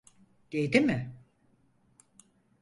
Değdi mi?